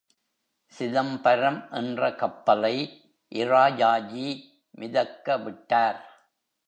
சிதம்பரம் என்ற கப்பலை இராஜாஜி மிதக்க விட்டார்.